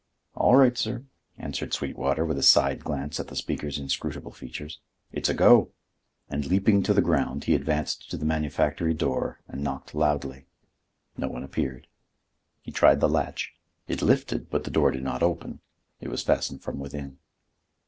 "All right, sir," answered Sweetwater, with a side glance at the speaker's inscrutable features. "It's a go!" And leaping to the ground he advanced to the manufactory door and knocked loudly. No one appeared. He tried the latch; it lifted, but the door did not open; it was fastened from within.